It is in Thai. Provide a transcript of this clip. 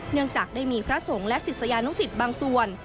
เนื่องจากได้มีพระสงฆ์และศิษยานุสิตบางส่วน